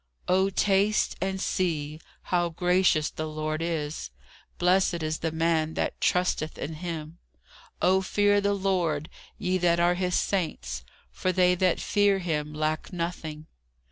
"O taste, and see, how gracious the Lord is, blessed is the man that trusteth in him. O fear the Lord, ye that are his saints, for they that fear him lack nothing.